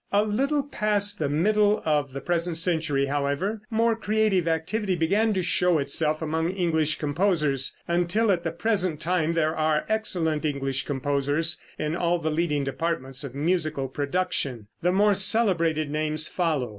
A little past the middle of the present century, however, more creative activity began to show itself among English composers, until at the present time there are excellent English composers in all the leading departments of musical production. The more celebrated names follow.